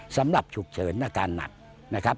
สำหรับฉุกเฉินหน้าการหนักนะครับ